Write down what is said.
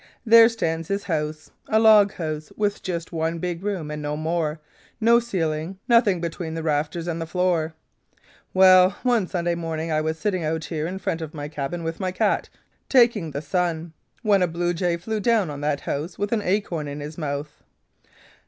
There stands his house a log house with just one big room and no more: no ceiling, nothing between the rafters and the floor. "Well, one Sunday morning I was sitting out here in front of my cabin, with my cat, taking the sun, when a bluejay flew down on that house with an acorn in his mouth.